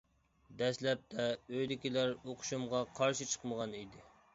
دەسلەپتە ئۆيدىكىلەر ئوقۇشۇمغا قارشى چىقمىغان ئىدى.